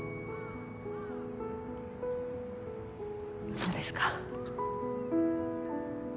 そうですか。